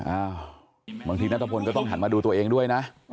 อ้าวบางทีนัทพลก็ต้องหันมาดูตัวเองด้วยนะ